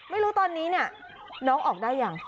ไม่รู้ตอนนี้เนี่ยน้องออกได้ยัง